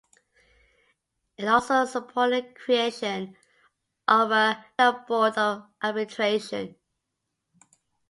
It also supported creation of a "National Board of Arbitration".